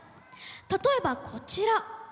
例えばこちら。